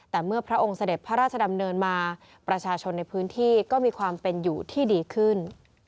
แต่เมื่อพระองค์เสด็จพระราชดำเนินมาประชาชนในพื้นที่ก็มีความเป็นอยู่ที่ดีขึ้น